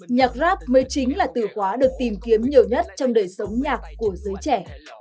nhạc rap mới chính là từ khóa được tìm kiếm nhiều nhất trong đời sống nhạc của giới trẻ